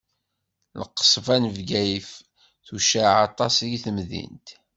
Lqesba n Bgayet tucaɛ aṭas deg temdint.